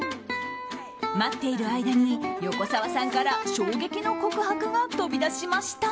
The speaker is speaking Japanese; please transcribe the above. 待っている間に横澤さんから衝撃の告白が飛び出しました。